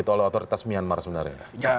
oleh otoritas myanmar sebenarnya